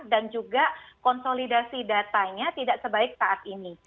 dan juga konsolidasi datanya tidak sebaik saat ini